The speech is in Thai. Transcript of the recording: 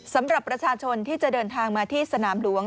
สำหรับประชาชนที่จะเดินทางมาที่สนามหลวง